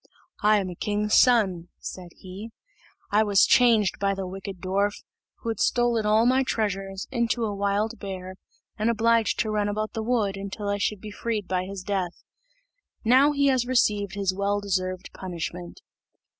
"I am a king's son," said he; "I was changed by the wicked dwarf, who had stolen all my treasures, into a wild bear, and obliged to run about in the wood until I should be freed by his death. Now he has received his well deserved punishment."